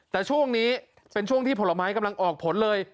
แต่ช่วงนี้เป็นช่วงที่ผลไม้กำลังออกผลเลย